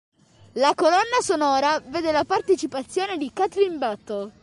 La colonna sonora vede la partecipazione di Kathleen Battle.